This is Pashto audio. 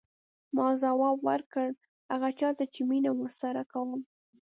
ما ځواب ورکړ هغه چا ته چې مینه ورسره کوم.